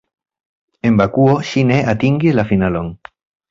En Bakuo ŝi ne atingis la finalon.